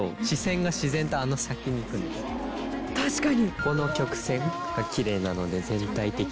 確かに。